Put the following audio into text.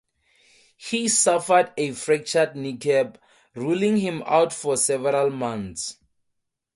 He suffered a fractured kneecap, ruling him out for several months.